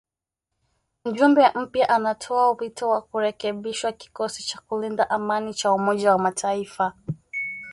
Mjumbe mpya anatoa wito wa kurekebishwa kikosi cha kulinda amani cha umoja wa mataifa